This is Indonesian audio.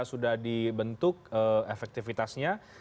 sudah dibentuk efektivitasnya